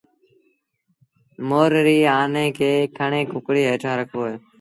مور ري آني کي کڻي ڪڪڙيٚ هيٺآن رکبو اهي